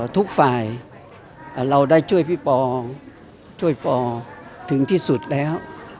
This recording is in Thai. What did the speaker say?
ทุกฝ่ายเราได้ช่วยพี่ปอช่วยปอถึงที่สุดแล้ว